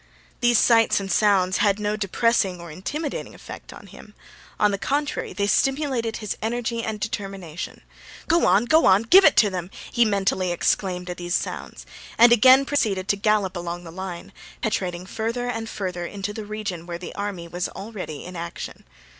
These sights and sounds had no depressing or intimidating effect on him; on the contrary, they stimulated his energy and determination. "Go on! Go on! Give it them!" he mentally exclaimed at these sounds, and again proceeded to gallop along the line, penetrating farther and farther into the region where the army was already in action.